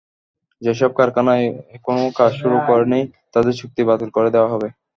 যেসব কারখানা এখনো কাজ শুরু করেনি, তাদের চুক্তি বাতিল করে দেওয়া হবে।